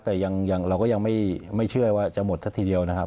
แต่เราก็ยังไม่เชื่อว่าจะหมดซะทีเดียวนะครับ